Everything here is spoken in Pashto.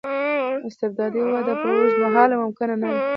استبدادي وده په اوږد مهال کې ممکنه نه ده.